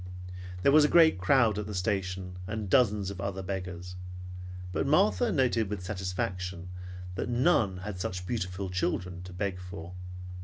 There was a great crowd at the station, and dozens of other beggars; but Martha noted with satisfaction that none had such beautiful children to beg for.